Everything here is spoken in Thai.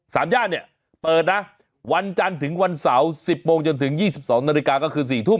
สามย่านเนี่ยเปิดนะวันจันทร์ถึงวันเสาร์๑๐โมงจนถึง๒๒นก็คือ๔ทุ่ม